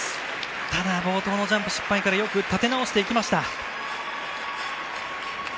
ただ冒頭のジャンプ失敗からよく立て直していきました。